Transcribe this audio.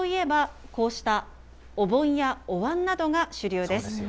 漆器といえば、こうしたお盆やおわんなどが主流です。